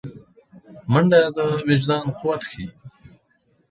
منډه د وجدان قوت ښيي